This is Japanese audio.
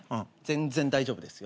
全然大丈夫ですよ。